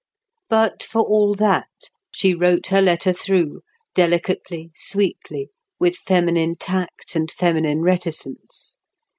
But, for all that, she wrote her letter through, delicately, sweetly, with feminine tact and feminine reticence.